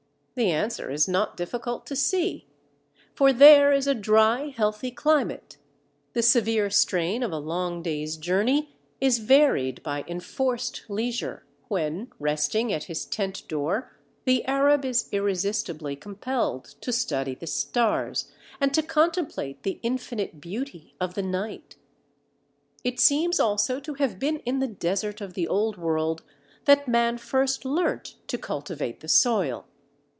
The answer is not difficult to see: for there is a dry, healthy climate; the severe strain of a long day's journey is varied by enforced leisure, when, resting at his tent door, the Arab is irresistibly compelled to study the stars and to contemplate the infinite beauty of the night. It seems also to have been in the desert of the old world that man first learnt to cultivate the soil.